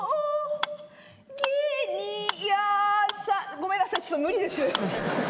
ごめんなさいちょっと無理です。